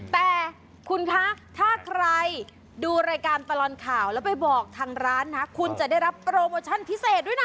แต่คุณคะถ้าใครดูรายการตลอดข่าวแล้วไปบอกทางร้านนะคุณจะได้รับโปรโมชั่นพิเศษด้วยนะ